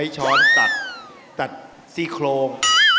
ช้อนตัดตัดซี่โครง